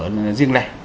nhà ở riêng lẻ